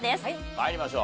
参りましょう。